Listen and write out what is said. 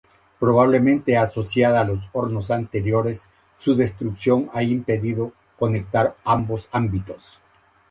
Probablemente asociada a los hornos anteriores, su destrucción ha impedido conectar ambos ámbitos.